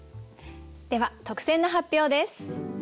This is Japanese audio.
では特選の発表です。